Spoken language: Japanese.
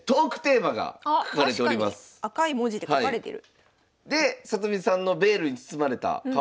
赤い文字で書かれてる。